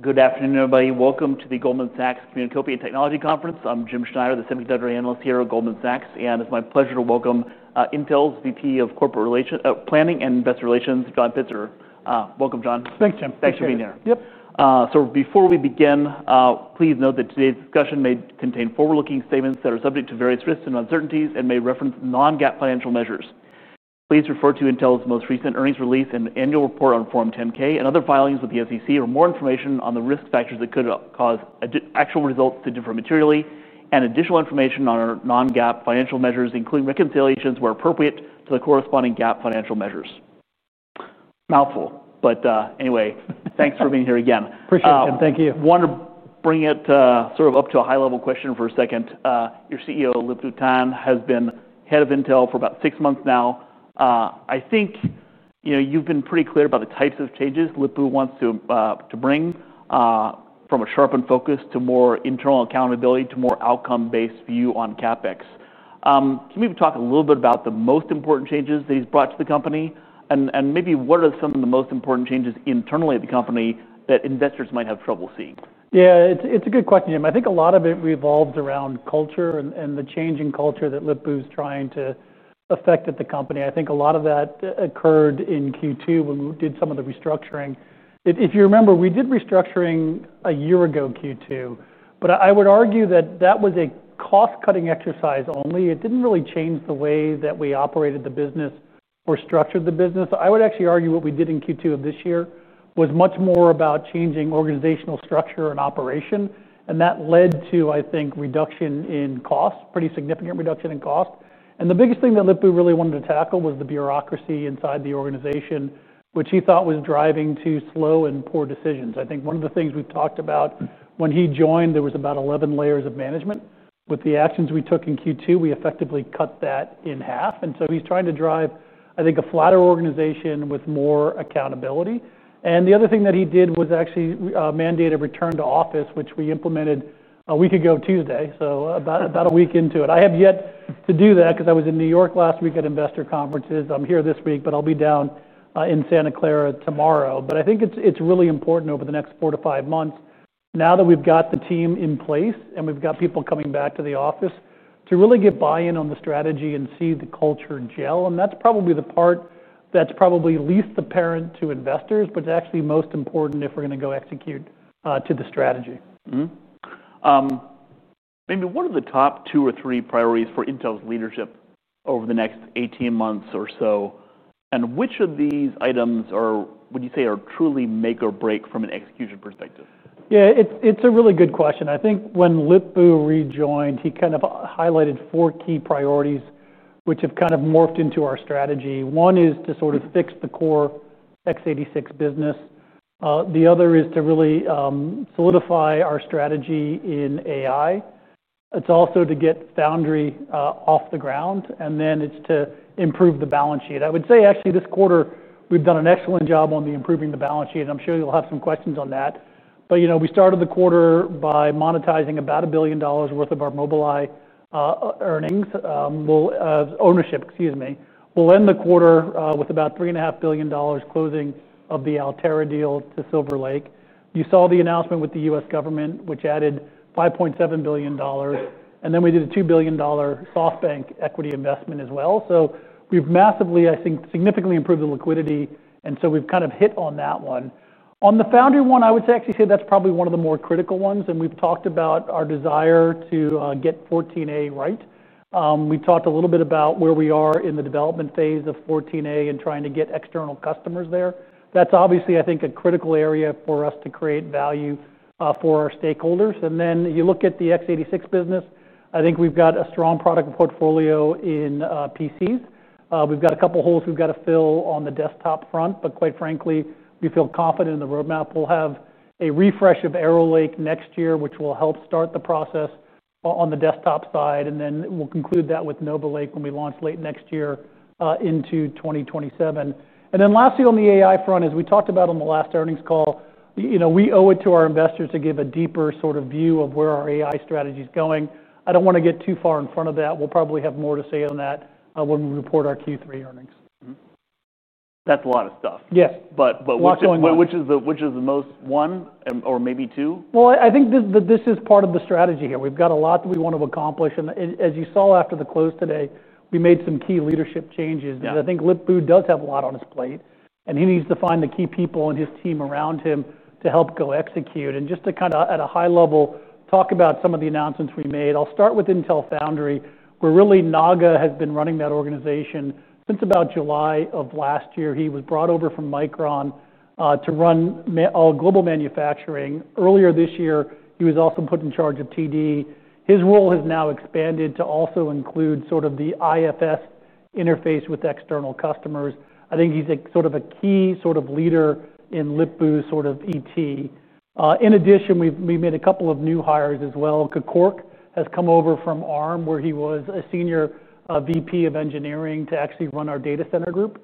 Good afternoon, everybody. Welcome to the Goldman Sachs Communacopia + Technology Conference. I'm Jim Schneider, the semiconductor analyst here at Goldman Sachs. It's my pleasure to welcome Intel's VP of Corporate Planning and Investor Relations, John Pitzer. Welcome, John. Thanks, Jim. Thanks for being here. Yep. Before we begin, please note that today's discussion may contain forward-looking statements that are subject to various risks and uncertainties and may reference non-GAAP financial measures. Please refer to Intel's most recent earnings release and the annual report on Form 10-K and other filings with the SEC for more information on the risk factors that could cause actual results to differ materially and additional information on our non-GAAP financial measures, including reconciliations where appropriate to the corresponding GAAP financial measures. Mouthful, but anyway, thanks for being here again. Appreciate it. Thank you. I want to bring it sort of up to a high-level question for a second. Your CEO, Lip-Bu Tan, has been head of Intel for about six months now. I think you've been pretty clear about the types of changes Lip-Bu wants to bring from a sharpened focus to more internal accountability to a more outcome-based view on CapEx. Can you maybe talk a little bit about the most important changes that he's brought to the company? Maybe what are some of the most important changes internally at the company that investors might have trouble seeing? Yeah, it's a good question, Jim. I think a lot of it revolves around culture and the changing culture that Lip Bu's trying to affect at the company. I think a lot of that occurred in Q2 when we did some of the restructuring. If you remember, we did restructuring a year ago Q2. I would argue that that was a cost-cutting exercise only. It didn't really change the way that we operated the business or structured the business. I would actually argue what we did in Q2 of this year was much more about changing organizational structure and operation. That led to, I think, reduction in cost, pretty significant reduction in cost. The biggest thing that Lip-Bu really wanted to tackle was the bureaucracy inside the organization, which he thought was driving to slow and poor decisions. I think one of the things we've talked about when he joined, there were about 11 layers of management. With the actions we took in Q2, we effectively cut that in half. He's trying to drive, I think, a flatter organization with more accountability. The other thing that he did was actually mandate a return to office, which we implemented a week ago, Tuesday. About a week into it. I have yet to do that because I was in New York last week at investor conferences. I'm here this week, but I'll be down in Santa Clara tomorrow. I think it's really important over the next 4-5 months, now that we've got the team in place and we've got people coming back to the office, to really get buy-in on the strategy and see the culture gel. And that's probably the part that's probably least apparent to investors, but it's actually most important if we're going to go execute to the strategy. Maybe what are the top two or three priorities for Intel's leadership over the next 18 months or so? Which of these items would you say are truly make or break from an execution perspective? Yeah, it's a really good question. I think when Lip-Bu rejoined, he kind of highlighted four key priorities, which have kind of morphed into our strategy. One is to sort of fix the core x86 business. The other is to really solidify our strategy in AI. It's also to get Foundry off the ground, and then it's to improve the balance sheet. I would say actually this quarter we've done an excellent job on improving the balance sheet. I'm sure you'll have some questions on that. You know we started the quarter by monetizing about $1 billion worth of our Mobileye ownership, excuse me. We'll end the quarter with about $3.5 billion closing of the Altera deal to Silver Lake. You saw the announcement with the U.S. government, which added $5.7 billion. We did a $2 billion SoftBank equity investment as well. We've massively, I think, significantly improved the liquidity, and we've kind of hit on that one. On the Foundry one, I would actually say that's probably one of the more critical ones. We've talked about our desire to get 14A right. We talked a little bit about where we are in the development phase of 14A and trying to get external customers there. That's obviously, I think, a critical area for us to create value for our stakeholders. You look at the x86 business. I think we've got a strong product portfolio in PCs. We've got a couple of holes we've got to fill on the desktop front. Quite frankly, we feel confident in the roadmap. We'll have a refresh of Arrow Lake next year, which will help start the process on the desktop side. We'll conclude that with Nova Lake when we launch late next year into 2027. Lastly, on the AI front, as we talked about on the last earnings call, we owe it to our investors to give a deeper sort of view of where our AI strategy is going. I don't want to get too far in front of that. We'll probably have more to say on that when we report our Q3 earnings. That's a lot of stuff. Yes. But, which is the most, one or maybe two? I think this is part of the strategy here. We've got a lot that we want to accomplish. As you saw after the close today, we made some key leadership changes. I think Lip-Bu does have a lot on his plate, and he needs to find the key people in his team around him to help go execute. Just to kind of, at a high level, talk about some of the announcements we made, I'll start with Intel Foundry where really Naga has been running that organization since about July of last year. He was brought over from Micron to run all global manufacturing. Earlier this year, he was also put in charge of TD. His role has now expanded to also include the IFS interface with external customers. I think he's a key leader in Lip-Bu's executive team. In addition, we've made a couple of new hires as well. Kevork has come over from Arm, where he was a Senior Vice President of Engineering, to actually run our data center group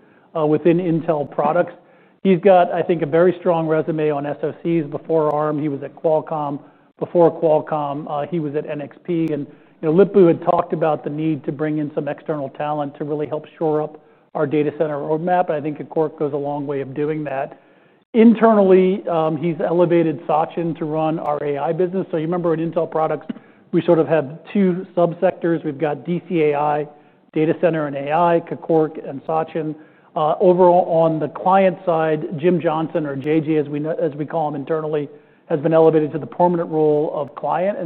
within Intel products. He's got, I think, a very strong resume on SoCs. Before Arm, he was at Qualcomm. Before Qualcomm, he was at NXP. Lip-Bu had talked about the need to bring in some external talent to really help shore up our data center roadmap, and I think Kevork goes a long way of doing that. Internally, he's elevated Sachin to run our AI business. You remember in Intel products, we have two subsectors. We've got DC AI, data center and AI, Kevork and Sachin. Overall, on the client side, Jim Johnson, or JJ, as we call him internally, has been elevated to the permanent role of client.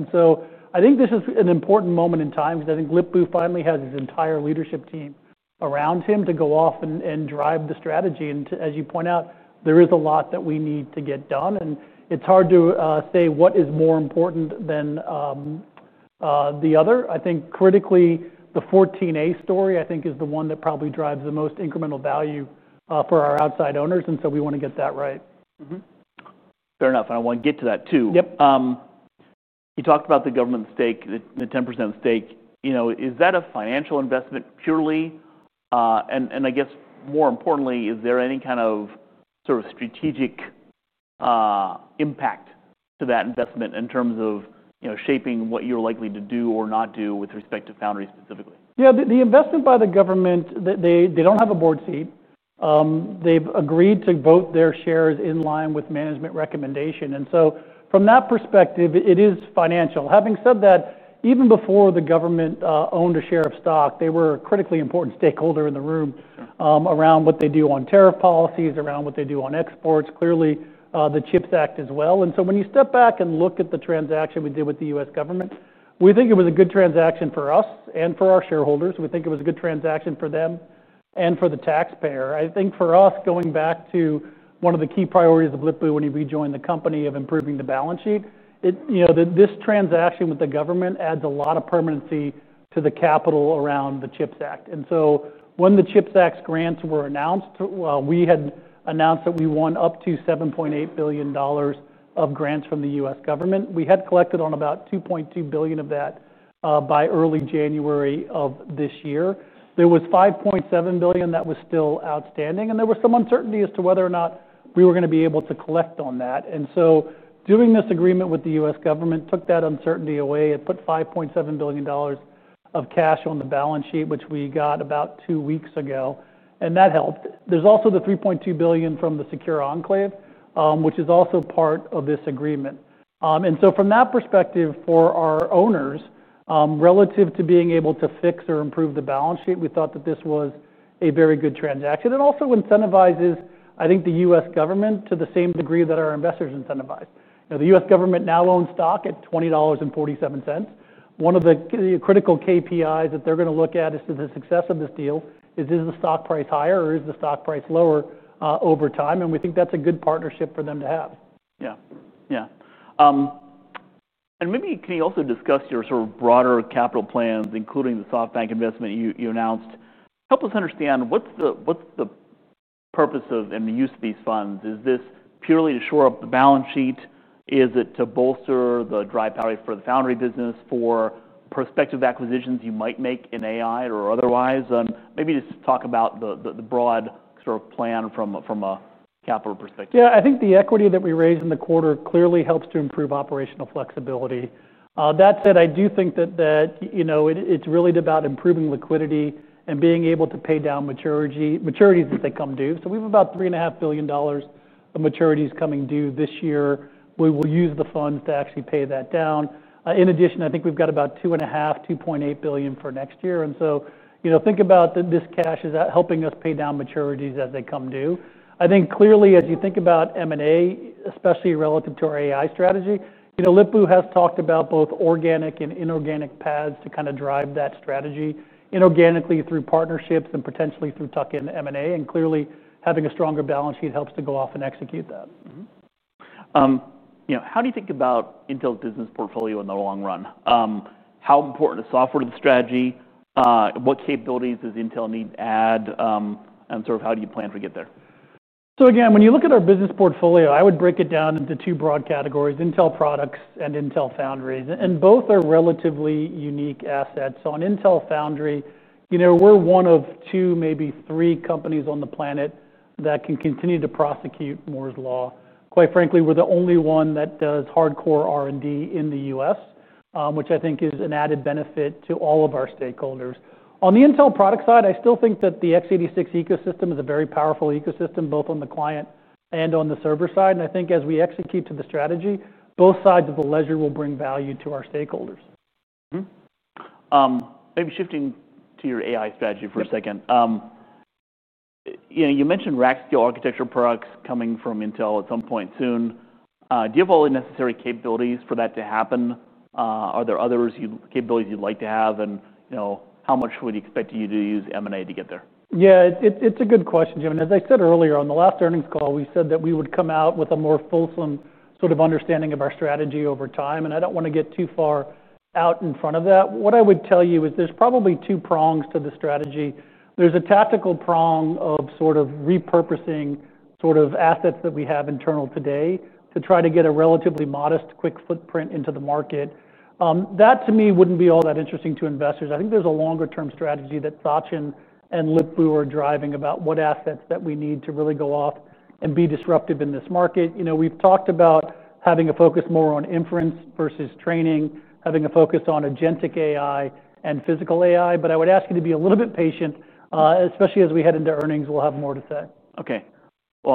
I think this is an important moment in time because I think Lip-Bu finally has his entire leadership team around him to go off and drive the strategy. As you point out, there is a lot that we need to get done, and it's hard to say what is more important than the other. I think critically, the 14A story is the one that probably drives the most incremental value for our outside owners, and we want to get that right. Fair enough. I want to get to that too. Yep. You talked about the government stake, the 10% stake. Is that a financial investment purely? More importantly, is there any kind of strategic impact to that investment in terms of shaping what you're likely to do or not do with respect to Foundry specifically? Yeah, the investment by the U.S. government, they don't have a board seat. They've agreed to vote their shares in line with management recommendation. From that perspective, it is financial. Having said that, even before the government owned a share of stock, they were a critically important stakeholder in the room around what they do on tariff policies, around what they do on exports, clearly the CHIPS Act as well. When you step back and look at the transaction we did with the U.S. government, we think it was a good transaction for us and for our shareholders. We think it was a good transaction for them and for the taxpayer. I think for us, going back to one of the key priorities of improving the balance sheet, you know this transaction with the government adds a lot of permanency to the capital around the CHIPS Act. And so, when the CHIPS Act grants were announced, we had announced that we won up to $7.8 billion of grants from the U.S. government. We had collected on about $2.2 billion of that by early January of this year. There was $5.7 billion that was still outstanding. There was some uncertainty as to whether or not we were going to be able to collect on that. Doing this agreement with the U.S. government took that uncertainty away. It put $5.7 billion of cash on the balance sheet, which we got about two weeks ago. That helped. There's also the $3.2 billion from the Secure Enclave, which is also part of this agreement. From that perspective, for our owners, relative to being able to fix or improve the balance sheet, we thought that this was a very good transaction. It also incentivizes, I think, the U.S. government to the same degree that our investors incentivize. The U.S. government now owns stock at $20.47. One of the critical KPIs that they're going to look at is the success of this deal. Is the stock price higher or is the stock price lower over time? We think that's a good partnership for them to have. Can you also discuss your sort of broader capital plans, including the SoftBank investment you announced? Help us understand what's the purpose and the use of these funds. Is this purely to shore up the balance sheet? Is it to bolster the dry powder for the Foundry business for prospective acquisitions you might make in AI or otherwise? Maybe just talk about the broad sort of plan from a capital perspective. Yeah, I think the equity that we raised in the quarter clearly helps to improve operational flexibility. That said, I do think that it's really about improving liquidity and being able to pay down maturities as they come due. We have about $3.5 billion of maturities coming due this year. We will use the funds to actually pay that down. In addition, I think we've got about $2.5-$2.8 billion for next year. Think about this cash as helping us pay down maturities as they come due. I think clearly, as you think about M&A, especially relative to our AI strategy, Lip-Bu has talked about both organic and inorganic paths to kind of drive that strategy inorganically through partnerships and potentially through tuck-in M&A. Clearly, having a stronger balance sheet helps to go off and execute that. How do you think about Intel's business portfolio in the long run? How important is software to the strategy? What capabilities does Intel need to add? How do you plan to get there? When you look at our business portfolio, I would break it down into two broad categories, Intel products and Intel Foundries. Both are relatively unique assets. On Intel Foundry, you know we're one of two, maybe three companies on the planet that can continue to prosecute Moore's Law. Quite frankly, we're the only one that does hardcore R&D in the U.S., which I think is an added benefit to all of our stakeholders. On the Intel product side, I still think that the x86 ecosystem is a very powerful ecosystem, both on the client and on the server side. I think as we execute to the strategy, both sides of the ledger will bring value to our stakeholders. Maybe shifting to your AI strategy for a second. You mentioned Rack Scale Architecture products coming from Intel at some point soon. Do you have all the necessary capabilities for that to happen? Are there other capabilities you'd like to have? How much would you expect you to use M&A to get there? Yeah, it's a good question, Jim. As I said earlier, on the last earnings call, we said that we would come out with a more fulsome sort of understanding of our strategy over time. I don't want to get too far out in front of that. What I would tell you is there's probably two prongs to the strategy. There's a tactical prong of repurposing assets that we have internal today to try to get a relatively modest, quick footprint into the market. That, to me, wouldn't be all that interesting to investors. I think there's a longer-term strategy that Sachin and Lip-Bu are driving about what assets that we need to really go off and be disruptive in this market. You know we've talked about having a focus more on inference versus training, having a focus on agentic AI and physical AI. I would ask you to be a little bit patient, especially as we head into earnings. We'll have more to say.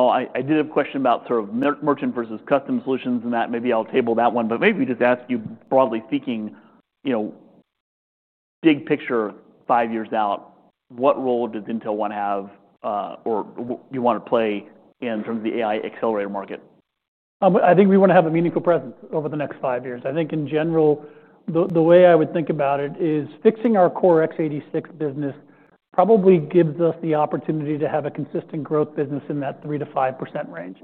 I did have a question about sort of merchant versus custom solutions and that. Maybe I'll table that one. Maybe just ask you, broadly speaking, big picture, five years out, what role does Intel want to have or do you want to play in terms of the AI accelerator market? I think we want to have a meaningful presence over the next five years. I think in general, the way I would think about it is fixing our core x86 business probably gives us the opportunity to have a consistent growth business in that 3% - 5% range.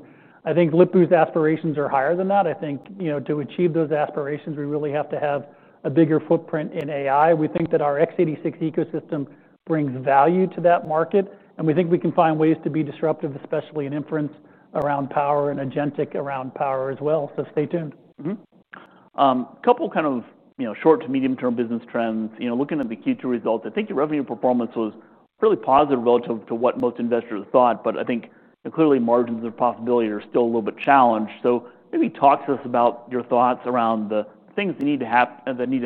I think Lip-Bu's aspirations are higher than that. I think to achieve those aspirations, we really have to have a bigger footprint in AI. We think that our x86 ecosystem brings value to that market. We think we can find ways to be disruptive, especially in inference around power and agentic around power as well. So, stay tuned. A couple of kind of short to medium-term business trends. Looking at the Q2 results, I think your revenue performance was really positive relative to what most investors thought. I think clearly margins of possibility are still a little bit challenged. Maybe talk to us about your thoughts around the things that need to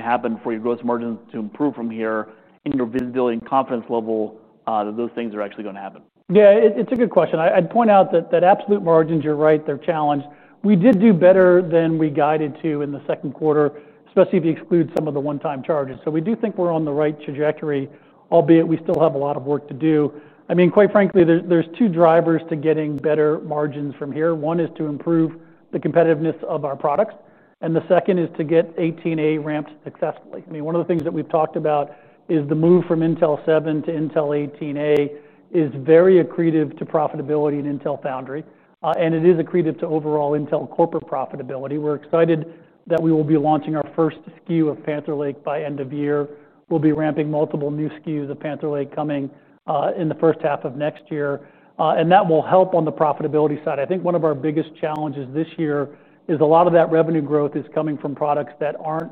happen for your gross margins to improve from here in your visibility and confidence level that those things are actually going to happen. Yeah, it's a good question. I'd point out that absolute margins, you're right, they're challenged. We did do better than we guided to in the second quarter, especially if you exclude some of the one-time charges. We do think we're on the right trajectory, albeit we still have a lot of work to do. Quite frankly, there are two drivers to getting better margins from here. One is to improve the competitiveness of our products. The second is to get 18A ramped successfully. One of the things that we've talked about is the move from Intel 7 - Intel 18A is very accretive to profitability in Intel Foundry. It is accretive to overall Intel corporate profitability. We're excited that we will be launching our first SKU of Panther Lake by end of year. We'll be ramping multiple new SKUs of Panther Lake coming in the first half of next year, and that will help on the profitability side. I think one of our biggest challenges this year is a lot of that revenue growth is coming from products that aren't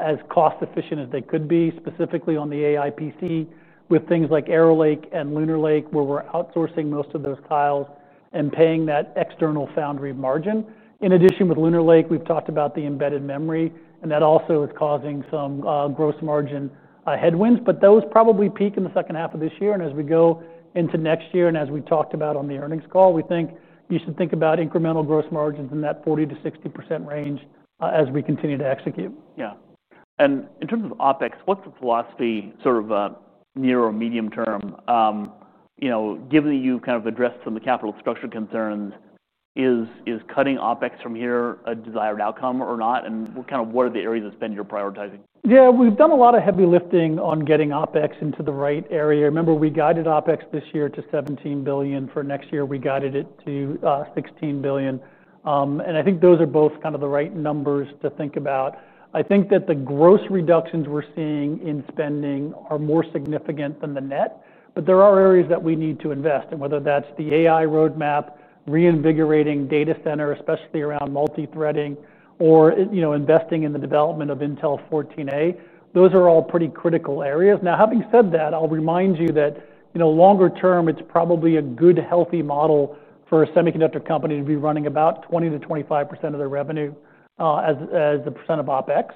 as cost-efficient as they could be, specifically on the AI PC, with things like Arrow Lake and Lunar Lake, where we're outsourcing most of those tiles and paying that external foundry margin. In addition, with Lunar Lake, we've talked about the embedded memory, and that also is causing some gross margin headwinds. Those probably peak in the second half of this year. As we go into next year, and as we talked about on the earnings call, we think you should think about incremental gross margins in that 40% - 60% range as we continue to execute. Yeah. In terms of OpEx, what's the philosophy sort of near or medium term? You know, given that you've kind of addressed some of the capital structure concerns, is cutting OpEx from here a desired outcome or not? What are the areas that you're prioritizing? Yeah, we've done a lot of heavy lifting on getting OpEx into the right area. Remember, we guided OpEx this year to $17 billion. For next year, we guided it to $16 billion. I think those are both kind of the right numbers to think about. I think that the gross reductions we're seeing in spending are more significant than the net. There are areas that we need to invest, whether that's the AI roadmap, reinvigorating data center, especially around multi-threading, or investing in the development of Intel 14A. Those are all pretty critical areas. Now, having said that, I'll remind you that longer term, it's probably a good, healthy model for a semiconductor company to be running about 20% - 25% of their revenue as the percent of OpEx.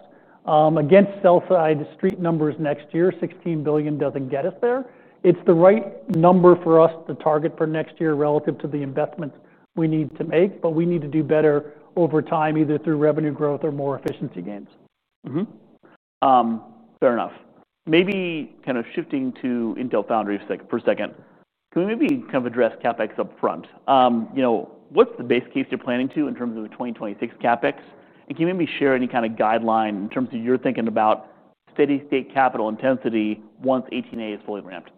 Against sell-side street numbers next year, $16 billion doesn't get us there. It's the right number for us to target for next year relative to the investments we need to make. We need to do better over time, either through revenue growth or more efficiency gains. Fair enough. Maybe kind of shifting to Intel Foundry Services for a second, can we maybe kind of address CapEx upfront? What's the base case you're planning to in terms of the 2026 CapEx? Can you maybe share any kind of guideline in terms of your thinking about steady state capital intensity once 18A is fully ramped?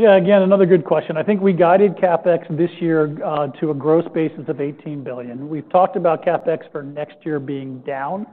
Yeah, again, another good question. I think we guided CapEx this year to a gross basis of $18 billion. We've talked about CapEx for next year being down.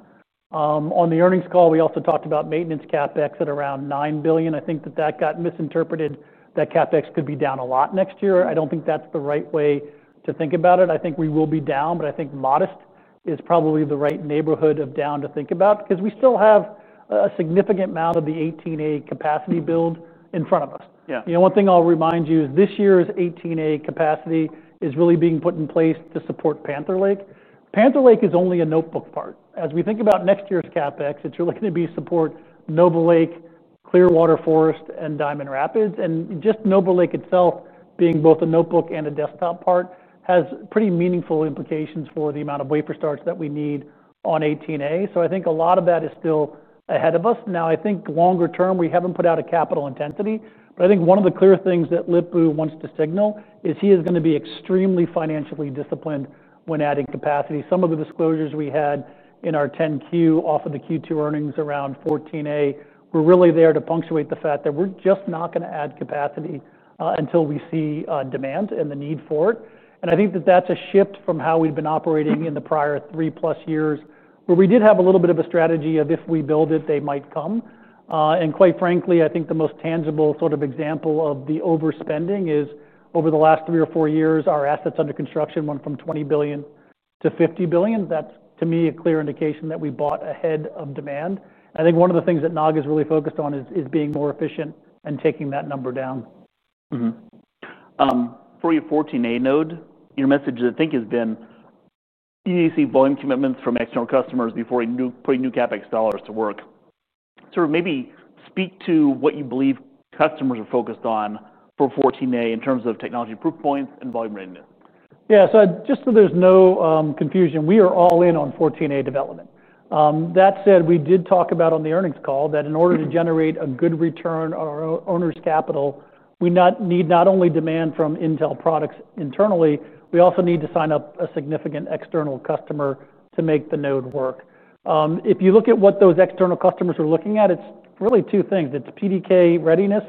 On the earnings call, we also talked about maintenance CapEx at around $9 billion. I think that got misinterpreted that CapEx could be down a lot next year. I don't think that's the right way to think about it. I think we will be down, but I think modest is probably the right neighborhood of down to think about because we still have a significant amount of the 18A capacity build in front of us. Yeah. One thing I'll remind you is this year's 18A capacity is really being put in place to support Panther Lake. Panther Lake is only a notebook part. As we think about next year's CapEx, it's really going to be to support Nova Lake, Clearwater Forest, and Diamond Rapids. Just Nova Lake itself, being both a notebook and a desktop part, has pretty meaningful implications for the amount of wafer starts that we need on 18A. I think a lot of that is still ahead of us. Now, I think longer term, we haven't put out a capital intensity. One of the clear things that Lip-Bu wants to signal is he is going to be extremely financially disciplined when adding capacity. Some of the disclosures we had in our 10Q off of the Q2 earnings around 14A were really there to punctuate the fact that we're just not going to add capacity until we see demand and the need for it. I think that's a shift from how we've been operating in the prior 3+ years, where we did have a little bit of a strategy of if we build it, they might come. Quite frankly, I think the most tangible sort of example of the overspending is over the last three or four years, our assets under construction went from $20 billion - $50 billion. That's, to me, a clear indication that we bought ahead of demand. I think one of the things that Naga is really focused on is being more efficient and taking that number down. For your 14A node, your message, I think, has been you need to see volume commitments from external customers before you put new CapEx dollars to work. Maybe speak to what you believe customers are focused on for 14A in terms of technology proof points and volume readiness. Yeah, just so there's no confusion, we are all in on `Intel 1 4A development. That said, we did talk about on the earnings call that in order to generate a good return on our owners' capital, we need not only demand from Intel products internally, we also need to sign up a significant external customer to make the node work. If you look at what those external customers are looking at, it's really two things. It's PDK readiness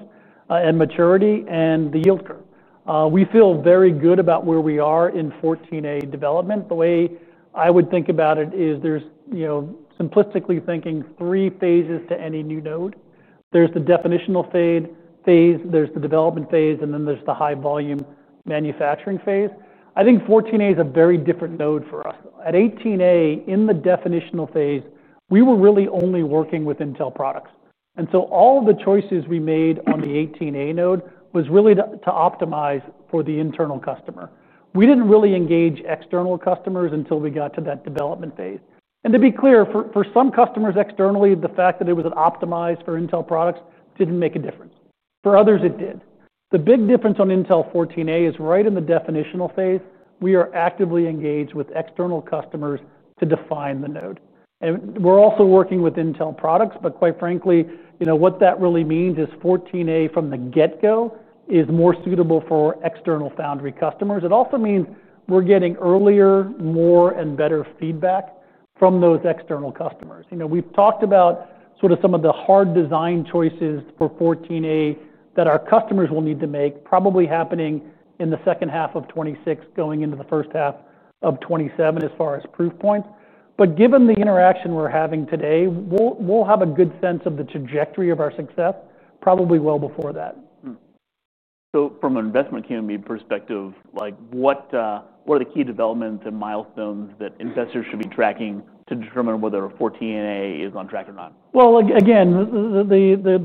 and maturity, and the yield curve. We feel very good about where we are in Intel 14A development. The way I would think about it is, simplistically thinking, there are three phases to any new node. There's the definitional phase, there's the development phase, and then there's the high-volume manufacturing phase. I think Intel 14A is a very different node for us. At 18A, in the definitional phase, we were really only working with Intel products. All of the choices we made on the 18A node were really to optimize for the internal customer. We didn't really engage external customers until we got to that development phase. To be clear, for some customers externally, the fact that it was optimized for Intel products didn't make a difference. For others, it did. The big difference on Intel 14A is right in the definitional phase, we are actively engaged with external customers to define the node. We're also working with Intel products. Quite frankly, what that really means is Intel 14A from the get-go is more suitable for external foundry customers. It also means we're getting earlier, more, and better feedback from those external customers. We've talked about some of the hard design choices for Intel 14A that our customers will need to make, probably happening in the second half of 2026, going into the first half of 2027 as far as proof points. Given the interaction we're having today, we'll have a good sense of the trajectory of our success probably well before that. From an investment community perspective, what are the key developments and milestones that investors should be tracking to determine whether Intel 14A is on track or not? The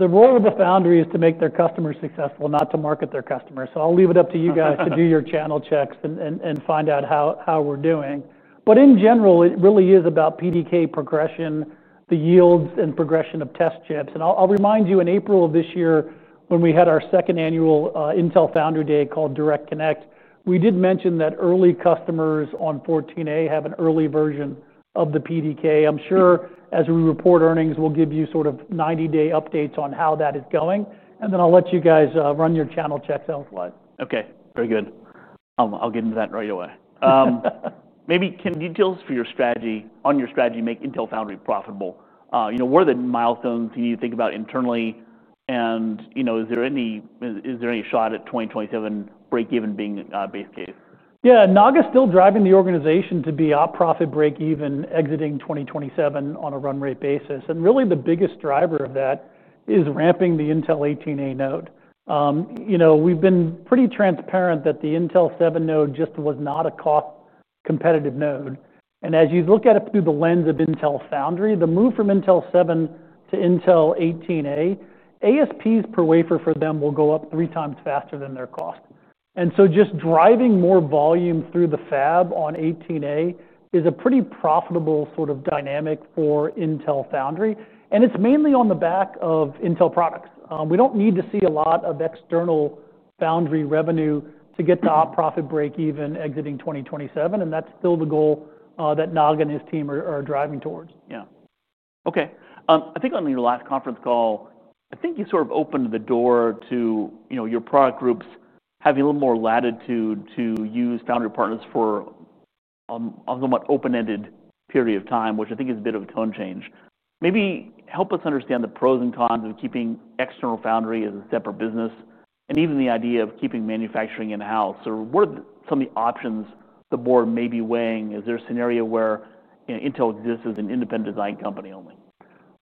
role of the Foundry is to make their customers successful, not to market their customers. I'll leave it up to you guys to do your channel checks and find out how we're doing. In general, it really is about PDK progression, the yields, and progression of test chips. I'll remind you, in April of this year, when we had our second annual Intel Foundry Day called Direct Connect, we did mention that early customers on Intel 14A have an early version of the PDK. I'm sure as we report earnings, we'll give you sort of 90-day updates on how that is going. I'll let you guys run your channel checks elsewhere. OK, very good. I'll get into that right away. Maybe can you detail your strategy on your strategy to make Intel Foundry profitable? What are the milestones you need to think about internally? Is there any shot at 2027 break-even being a base case? Yeah, Naga is still driving the organization to be a profit break-even exiting 2027 on a run-rate basis. The biggest driver of that is ramping the Intel 18A node. We've been pretty transparent that the Intel 7 node just was not a cost-competitive node. As you look at it through the lens of Intel Foundry, the move from Intel 7 - Intel 18A, ASPs per wafer for them will go up three times faster than their cost. Just driving more volume through the fab on 18A is a pretty profitable sort of dynamic for Intel Foundry. It's mainly on the back of Intel products. We don't need to see a lot of external foundry revenue to get the profit break-even exiting 2027. That's still the goal that Naga and his team are driving towards. Yeah. OK. I think on your last conference call, I think you sort of opened the door to your product groups having a little more latitude to use foundry partners for an open-ended period of time, which I think is a bit of a tone change. Maybe help us understand the pros and cons of keeping external foundry as a separate business and even the idea of keeping manufacturing in-house. What are some of the options the board may be weighing? Is there a scenario where Intel exists as an independent design company only?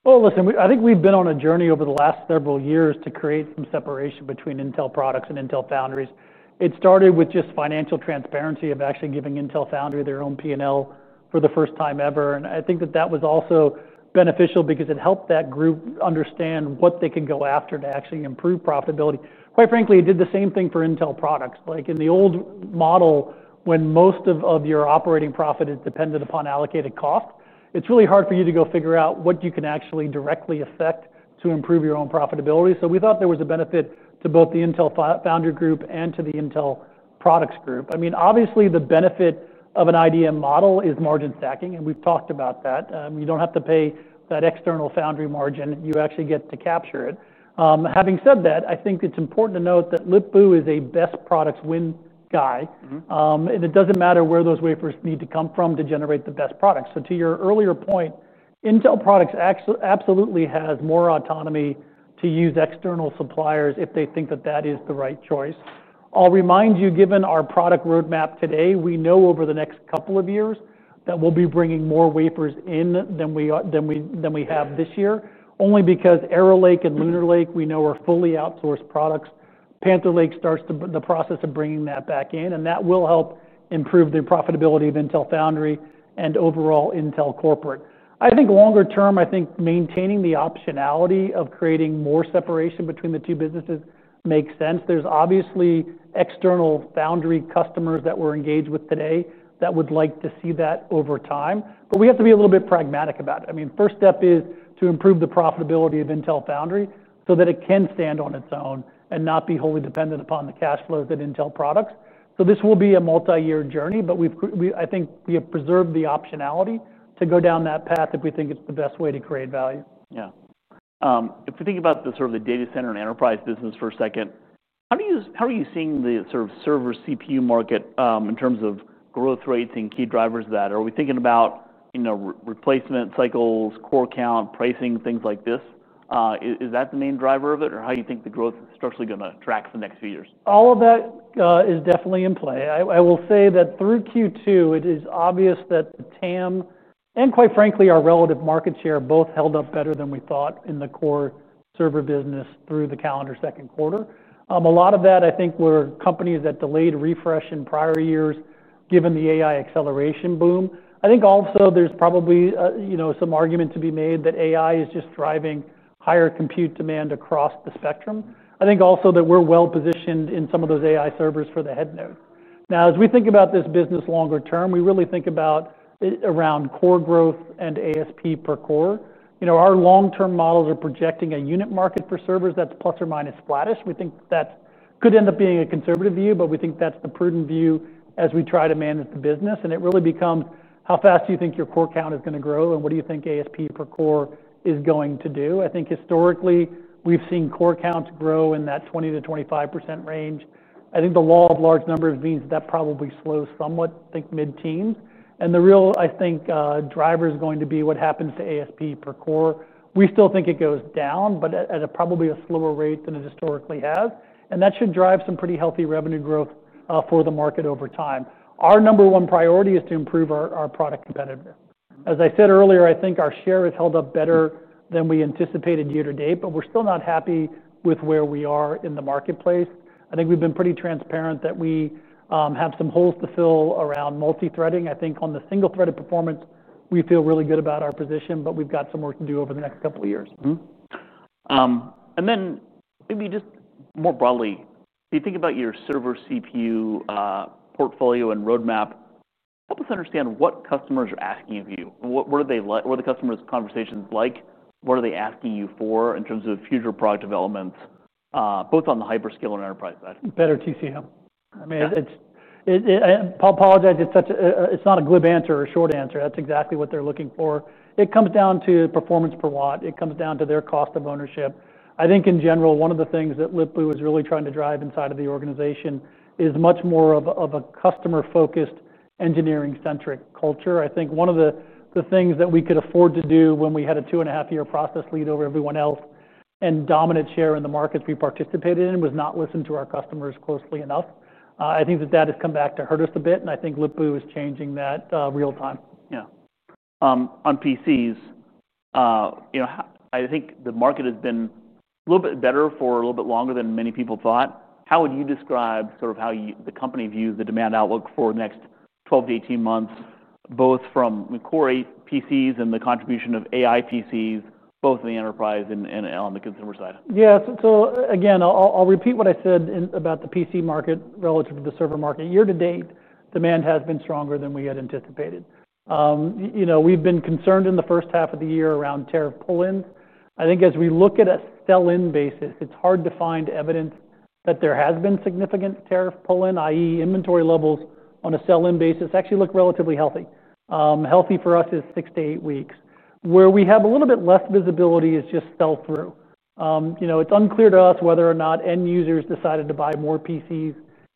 I think we've been on a journey over the last several years to create some separation between Intel products and Intel Foundry Services. It started with just financial transparency of actually giving Intel Foundry Services their own P&L for the first time ever. I think that was also beneficial because it helped that group understand what they can go after to actually improve profitability. Quite frankly, it did the same thing for Intel products. Like in the old model, when most of your operating profit is dependent upon allocated cost, it's really hard for you to go figure out what you can actually directly affect to improve your own profitability. We thought there was a benefit to both the Intel Foundry Services group and to the Intel products group. Obviously, the benefit of an IDM model is margin stacking. We've talked about that. You don't have to pay that external foundry margin. You actually get to capture it. Having said that, I think it's important to note that Lip-Bu is a best products win guy. It doesn't matter where those wafers need to come from to generate the best products. To your earlier point, Intel products absolutely have more autonomy to use external suppliers if they think that is the right choice. I'll remind you, given our product roadmap today, we know over the next couple of years that we'll be bringing more wafers in than we have this year, only because Arrow Lake and Lunar Lake, we know, are fully outsourced products. Panther Lake starts the process of bringing that back in, and that will help improve the profitability of Intel Foundry Services and overall Intel corporate. I think longer term, maintaining the optionality of creating more separation between the two businesses makes sense. There are obviously external foundry customers that we're engaged with today that would like to see that over time. We have to be a little bit pragmatic about it. The first step is to improve the profitability of Intel Foundry Services so that it can stand on its own and not be wholly dependent upon the cash flows in Intel products. This will be a multi-year journey, but I think we have preserved the optionality to go down that path if we think it's the best way to create value. Yeah. If we think about the data center and enterprise business for a second, how are you seeing the server CPU market in terms of growth rates and key drivers of that? Are we thinking about replacement cycles, core count, pricing, things like this? Is that the main driver of it? How do you think the growth is structurally going to track for the next few years? All of that is definitely in play. I will say that through Q2, it is obvious that the TAM and, quite frankly, our relative market share both held up better than we thought in the core server business through the calendar second quarter. A lot of that, I think, were companies that delayed refresh in prior years, given the AI acceleration boom. I think also there's probably some argument to be made that AI is just driving higher compute demand across the spectrum. I think also that we're well positioned in some of those AI servers for the head node. Now, as we think about this business longer term, we really think about it around core growth and ASP per core. Our long-term models are projecting a unit market for servers that's plus or minus flat-ish. We think that could end up being a conservative view. We think that's the prudent view as we try to manage the business. It really becomes, how fast do you think your core count is going to grow? What do you think ASP per core is going to do? I think historically, we've seen core counts grow in that 20% - 25% range. I think the law of large numbers means that probably slows somewhat, I think, mid-teens. The real, I think, driver is going to be what happens to ASP per core. We still think it goes down, but at probably a slower rate than it historically has. That should drive some pretty healthy revenue growth for the market over time. Our number one priority is to improve our product competitiveness. As I said earlier, I think our share has held up better than we anticipated year to date. We're still not happy with where we are in the marketplace. I think we've been pretty transparent that we have some holes to fill around multi-threading. I think on the single-threaded performance, we feel really good about our position. We've got some work to do over the next couple of years. If you think about your server CPU portfolio and roadmap, help us understand what customers are asking of you. What are the customers' conversations like? What are they asking you for in terms of future product developments, both on the hyperscaler and enterprise side? Better TCO. I apologize. It's not a glib answer or a short answer. That's exactly what they're looking for. It comes down to performance per watt. It comes down to their cost of ownership. I think in general, one of the things that Lip-Bu is really trying to drive inside of the organization is much more of a customer-focused, engineering-centric culture. I think one of the things that we could afford to do when we had a 2.5 year process lead over everyone else and dominant share in the markets we participated in was not listen to our customers closely enough. I think that that has come back to hurt us a bit. I think Lip-Bu is changing that real time. Yeah. On PCs, I think the market has been a little bit better for a little bit longer than many people thought. How would you describe sort of how the company views the demand outlook for the next 12 - 18 months, both from core PCs and the contribution of AI PCs, both in the enterprise and on the consumer side? Yeah, so again, I'll repeat what I said about the PC market relative to the server market. Year- to- date, demand has been stronger than we had anticipated. We've been concerned in the first half of the year around tariff pull-ins. I think as we look at a sell-in basis, it's hard to find evidence that there has been significant tariff pull-in, i.e., inventory levels on a sell-in basis actually look relatively healthy. Healthy for us is 6-8 weeks. Where we have a little bit less visibility is just sell-through. It's unclear to us whether or not end users decided to buy more PCs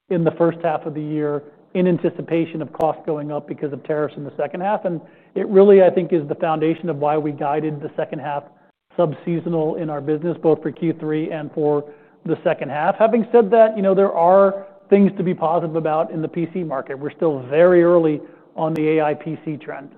in the first half of the year in anticipation of costs going up because of tariffs in the second half. It really, I think, is the foundation of why we guided the second half subseasonal in our business, both for Q3 and for the second half. Having said that, there are things to be positive about in the PC market. We're still very early on the AI PC trend.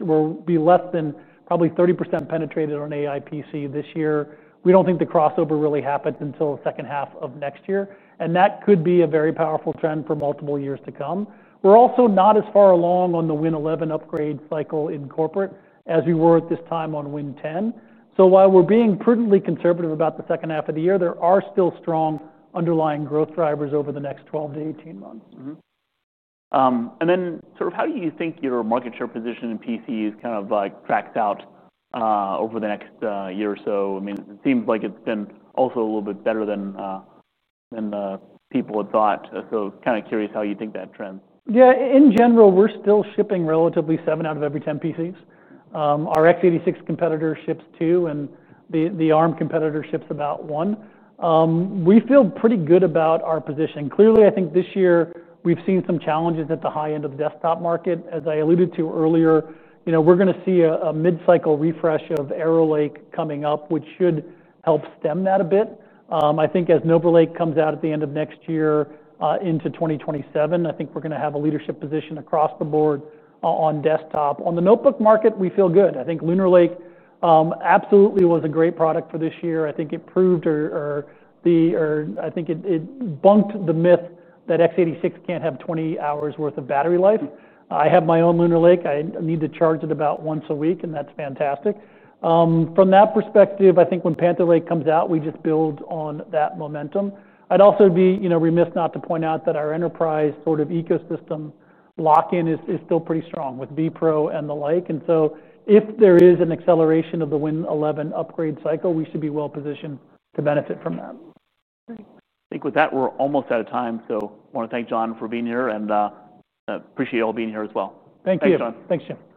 We'll be less than probably 30% penetrated on AI PC this year. We don't think the crossover really happened until the second half of next year. That could be a very powerful trend for multiple years to come. We're also not as far along on the Win 11 upgrade cycle in corporate as we were at this time on Win 10. While we're being prudently conservative about the second half of the year, there are still strong underlying growth drivers over the next 12 - 18 months. How do you think your market share position in PCs kind of tracks out over the next year or so? It seems like it's been also a little bit better than people had thought. I'm curious how you think that trends. Yeah, in general, we're still shipping relatively 7 out of every 10 PCs. Our x86 competitor ships 2, and the Arm competitor ships about 1. We feel pretty good about our position. Clearly, I think this year we've seen some challenges at the high end of the desktop market. As I alluded to earlier, we're going to see a mid-cycle refresh of Arrow Lake coming up, which should help stem that a bit. I think as Nova Lake comes out at the end of next year into 2027, I think we're going to have a leadership position across the board on desktop. On the notebook market, we feel good. I think Lunar Lake absolutely was a great product for this year. I think it proved, or I think it bunked the myth that x86 can't have 20 hours' worth of battery life. I have my own Lunar Lake. I need to charge it about once a week, and that's fantastic. From that perspective, I think when Panther Lake comes out, we just build on that momentum. I'd also be remiss not to point out that our enterprise sort of ecosystem lock-in is still pretty strong with vPro and the like. If there is an acceleration of the Win 11 upgrade cycle, we should be well positioned to benefit from that. Great. I think with that, we're almost out of time. I want to thank John for being here. I appreciate you all being here as well. Thank you. Thanks, John. Thanks, Jim.